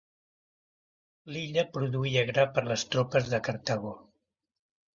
L'illa produïa gra per les tropes de Cartago.